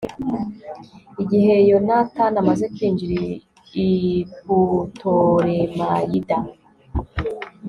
igihe yonatani amaze kwinjira i putolemayida